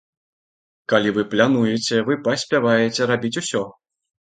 Калі вы плануеце, вы паспяваеце рабіць усё.